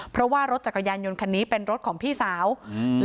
เพราะว่ารถจักรยานยนต์คันนี้เป็นรถของพี่สาวไล่ตรวจสอบหมดเลย